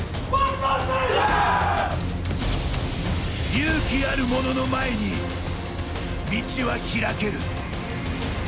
勇気ある者の前に道は開ける。